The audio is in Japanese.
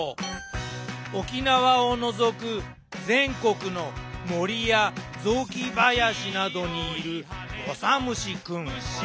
沖縄を除く全国の森や雑木林などにいるオサムシくん。